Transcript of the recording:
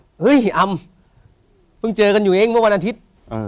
เฮ้ยอำเพิ่งเจอกันอยู่เองเมื่อวันอาทิตย์